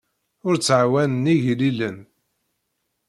Ur ttɛawanen igellilen.